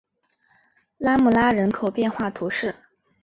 拉穆拉人口变化图示